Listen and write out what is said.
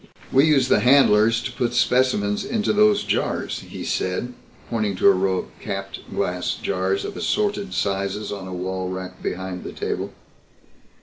"We use the handlers to put specimens into those jars," he said, pointing to a row of capped glass jars of assorted sizes on a wall rack behind the table.